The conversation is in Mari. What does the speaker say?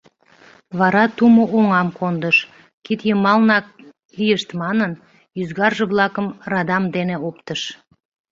Вара тумо оҥам кондыш, кид йымалнак лийышт манын, ӱзгарже-влакым радам дене оптыш.